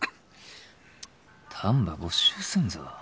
丹波没収すんぞ。